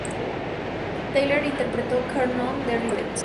Talley interpretó "Caro nome" de Rigoletto.